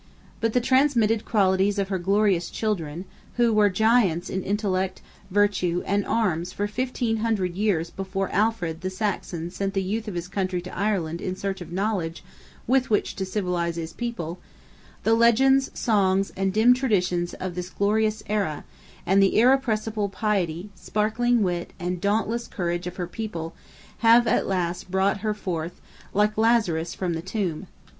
But the transmitted qualities of her glorious children, who were giants in intellect, virtue, and arms for 1500 years before Alfred the Saxon sent the youth of his country to Ireland in search of knowledge with which to civilize his people,—the legends, songs, and dim traditions of this glorious era, and the irrepressible piety, sparkling wit, and dauntless courage of her people, have at last brought her forth like. Lazarus from the tomb.